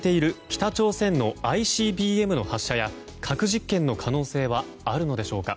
北朝鮮のＩＣＢＭの発射や核実験の可能性はあるのでしょうか。